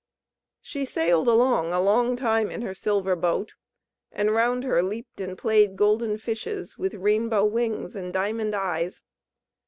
She sailed along a long time in her silver boat, and round her leaped and played golden fishes with rainbow wings and diamond eyes.